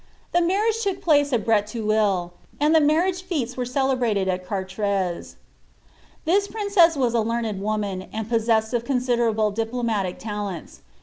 The marriage took ^ace al Breleuil, and the marriage filtes were celebrated at Chartrei; This princess was a learned woman, and possessed of considerable dipb matic talents.